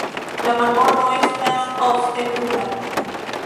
La marbordo estas ofte kruda.